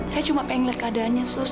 saya cuma pengen liat keadaannya sus